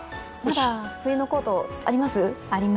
まだ冬のコートあります？